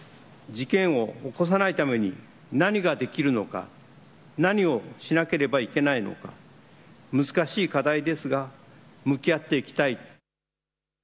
事件を起こさないために何ができるのか、何をしなければいけないのか、難しい課題ですが向き合っていきたい。